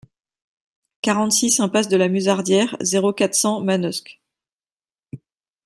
quarante-six impasse de la Musardière, zéro quatre, cent, Manosque